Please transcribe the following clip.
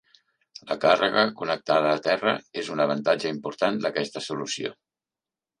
La càrrega connectada a terra és un avantatge important d'aquesta solució.